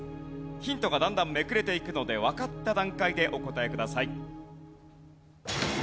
ヒントがだんだんめくれていくのでわかった段階でお答えください。